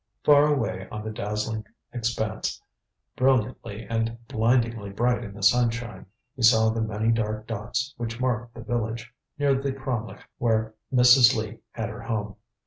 Far away on the dazzling expanse, brilliantly and blindingly bright in the sunshine, he saw the many dark dots, which marked the village, near the cromlech, where Mrs. Lee had her home.